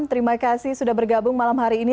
terima kasih sudah bergabung malam hari ini